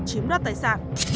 chiếm đoạt tài sản